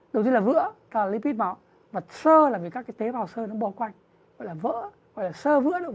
đối với là vữa là lipid máu và sơ là vì các cái tế bào sơ nó bò quanh gọi là vỡ gọi là sơ vữa động